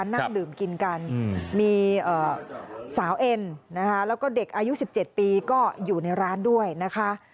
นั่งดื่มกินกันมีสาวเอ็นนะคะแล้วก็เด็กอายุ๑๗ปีก็อยู่ในร้านด้วยนะคะ